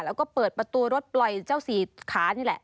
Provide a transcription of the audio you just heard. แล้วก็เปิดประตูรถปล่อยเจ้าสี่ขานี่แหละ